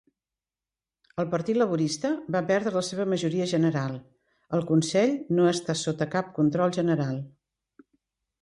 El Partit Laborista va perdre la seva majoria general, el consell no està sota cap control general.